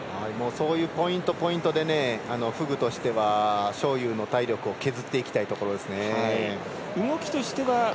そういうポイントでフグとしては章勇の体力を削っていきたいところです。